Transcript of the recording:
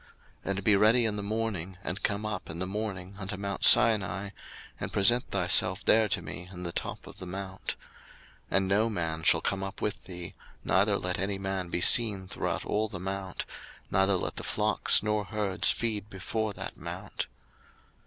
02:034:002 And be ready in the morning, and come up in the morning unto mount Sinai, and present thyself there to me in the top of the mount. 02:034:003 And no man shall come up with thee, neither let any man be seen throughout all the mount; neither let the flocks nor herds feed before that mount.